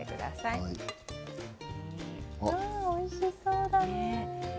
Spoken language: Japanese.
おいしそうだね。